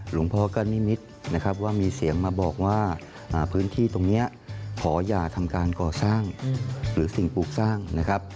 หลวงพ่อก็นิมิตนะครับว่ามีเสียงมาบอกว่าพื้นที่ตรงนี้ขออย่าทำการก่อสร้างหรือสิ่งปลูกสร้างนะครับ